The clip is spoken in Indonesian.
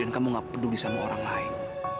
dan kamu gak peduli sama orang lain